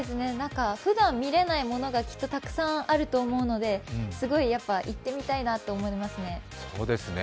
ふだん見れないものがきっとたくさんあると思うので、すごい行ってみたいなと思いますね。